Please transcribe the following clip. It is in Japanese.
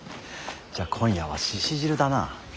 じゃあ今夜は鹿汁だな。